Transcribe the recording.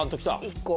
１個。